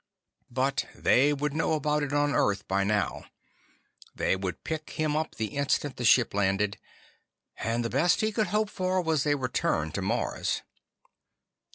But they would know about it on Earth by now. They would pick him up the instant the ship landed. And the best he could hope for was a return to Mars.